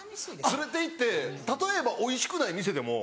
連れて行って例えばおいしくない店でも。